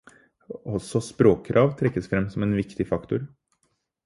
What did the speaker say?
Også språkkrav trekkes fram som en viktig faktor.